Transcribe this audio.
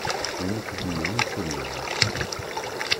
D imekdiyen i tellam.